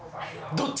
どっち？